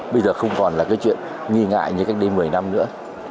bây giờ không còn là cái chuyện nghi ngại như cách đây một mươi năm nữa